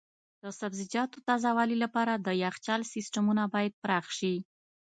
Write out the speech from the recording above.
د سبزیجاتو تازه والي لپاره د یخچال سیستمونه باید پراخ شي.